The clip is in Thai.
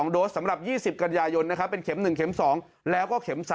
๔๖๙๐๕๒โดสสำหรับ๒๐กัญญายนนะครับเป็นเข็ม๑เข็ม๒แล้วก็เข็ม๓